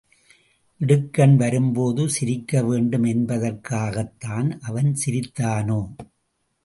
இடுக்கண் வரும்போது சிரிக்க வேண்டும் என்பதற்காகத்தான் அவன் சிரித்தானோ?....